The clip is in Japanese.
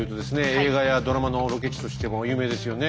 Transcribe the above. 映画やドラマのロケ地としても有名ですよね。